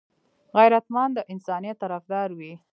غیرتمند د انسانيت طرفدار وي